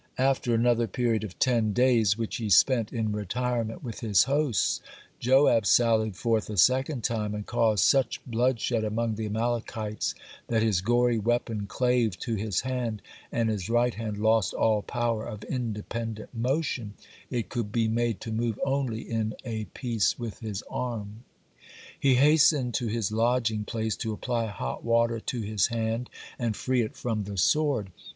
After another period of ten days, which he spent in retirement with his hosts, Joab sallied forth a second time, and caused such bloodshed among the Amalekites that his gory weapon clave to his hand, and his right hand lost all power of independent motion, it could be made to move only in a piece with his arm. He hastened to his lodging place to apply hot water to his hand and free it from the sword.